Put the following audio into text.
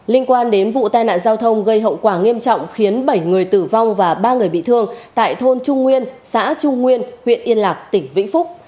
liên quan đến vụ tai nạn giao thông gây hậu quả nghiêm trọng khiến bảy người tử vong và ba người bị thương tại thôn trung nguyên xã trung nguyên huyện yên lạc tỉnh vĩnh phúc